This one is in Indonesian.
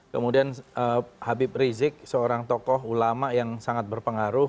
kemudian habib rizik seorang tokoh ulama yang sangat berpengaruh